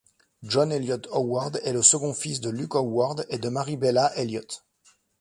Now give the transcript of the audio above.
John Eliot Howard est le second fils de Luke Howard et Mariabella Eliot.